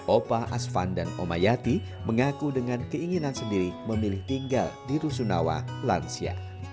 opa asvan dan omayati mengaku dengan keinginan sendiri memilih tinggal di rusunawa lansia